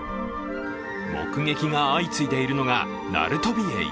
目撃が相次いでいるのがナルトビエイ。